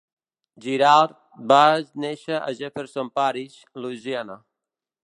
Girard va néixer a Jefferson Parish, Louisiana.